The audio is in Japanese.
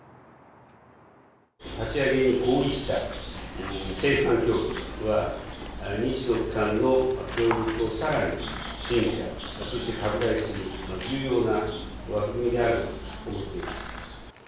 立ち上げに合意した政府間協議は、日独間の協力をさらに進化、そして拡大する重要な枠組みであると思っています。